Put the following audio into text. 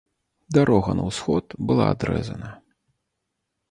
Дарога на ўсход была адрэзана.